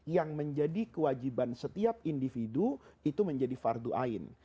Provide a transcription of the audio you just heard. yang menjadi kewajiban setiap individu itu menjadi fardu ain